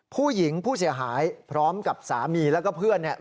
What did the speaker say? ผู้หญิงผู้เสียหายพร้อมกับสามีแล้วก็เพื่อนเนี่ย